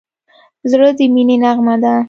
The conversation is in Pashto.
زړه د مینې نغمه ده.